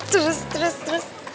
terus terus terus